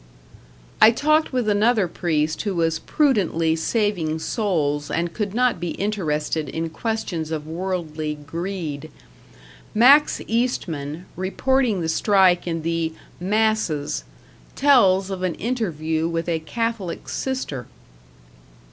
I talked with another priest who was prudently saving souls and could not be interested in questions of worldly greed. Max Eastman, reporting the strike in the "Masses", tells of an interview with a Catholic sister.